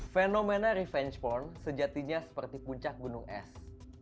fenomena revenge porn sejatinya seperti puncak gunung es